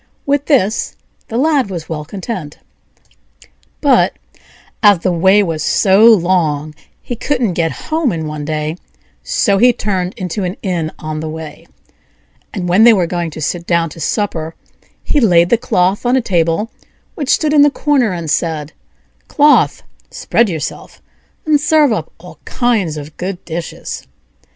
'" With this the Lad was well content. But, as the way was so long he couldn't get home in one day, so he turned into an inn on the way; and when they were going to sit down to supper he laid the cloth on a table which stood in the corner, and said: "Cloth, spread yourself, and serve up all kinds of good dishes."